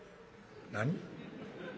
「何？